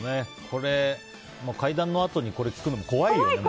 これ、怪談のあとにこれ聞くのも怖いよね。